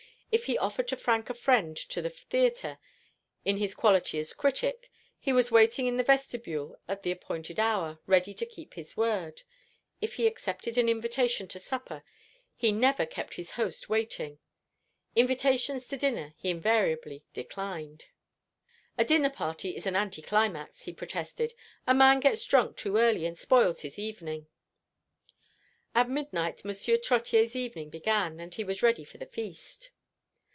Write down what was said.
If he offered to frank a friend to the theatre, in his quality as critic, he was waiting in the vestibule at the appointed hour, ready to keep his word. If he accepted an invitation to supper, he never kept his host waiting. Invitations to dinner he invariably declined. "A dinner party is an anti climax," he protested. "A man gets drunk too early, and spoils his evening." At midnight Monsieur Trottier's evening began, and he was ready for the feast.